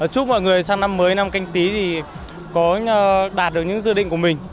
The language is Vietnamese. chúc mọi người sang năm mới năm canh tí thì có đạt được những dự định của mình